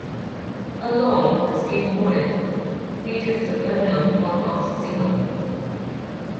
Along with skateboarding, Peters is a well-known punk rock singer.